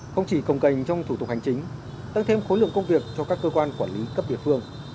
không chỉ cồng cành trong thủ tục hành chính tăng thêm khối lượng công việc cho các cơ quan quản lý cấp địa phương